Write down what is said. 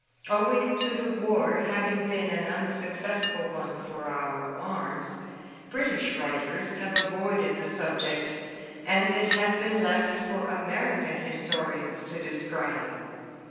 Owing to the war having been an unsuccessful one for our arms, British writers have avoided the subject, and it has been left for American historians to describe.